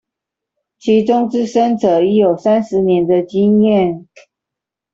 其中資深者已有三十年的經驗